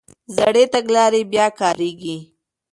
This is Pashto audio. زړې تګلارې بیا کارېږي.